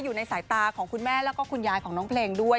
อยู่ในสายตาของคุณแม่แล้วก็คุณยายของน้องเพลงด้วย